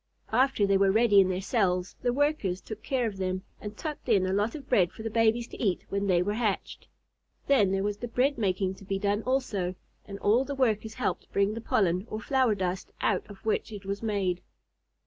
After they were ready in their cells, the Workers took care of them, and tucked in a lot of bread for the babies to eat when they were hatched. Then there was the bread making to be done also, and all the Workers helped bring the pollen, or flower dust, out of which it was made.